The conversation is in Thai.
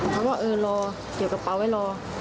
เพราะว่าเออรอเกี่ยวกับป่าวไว้รอ